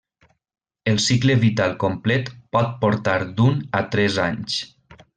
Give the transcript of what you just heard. El cicle vital complet pot portar d'un a tres anys.